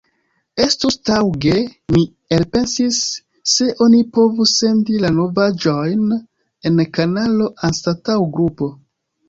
Estus taŭge, mi elpensis, se oni povus sendi la novaĵojn en kanalo anstataŭ grupo.